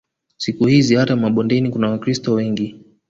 Siku hizi hata mabondeni kuna Wakristo wengi